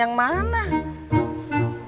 terus saya harus jalanin yang baik